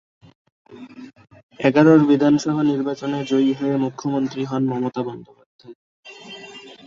এগারোর বিধানসভা নির্বাচনে জয়ী হয়ে মুখ্যমন্ত্রী হন মমতা বন্দ্যোপাধ্যায়।